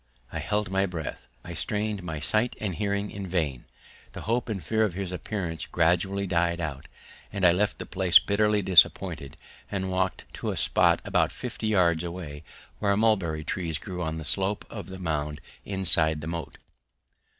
I held my breath, I strained my sight and hearing in vain, the hope and fear of his appearance gradually died out, and I left the place bitterly disappointed and walked to a spot about fifty yards away, where mulberry trees grew on the slope of the mound inside the moat.